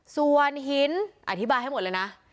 ส่วนหินอธิบายให้หมดเลยนะ